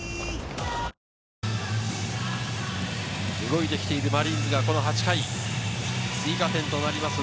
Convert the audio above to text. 動いて来ているマリーンズが８回、追加点となる